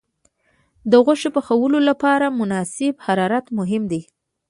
د غوښې پخولو لپاره مناسب حرارت مهم دی.